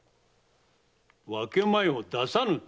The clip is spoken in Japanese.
分け前を出さぬと？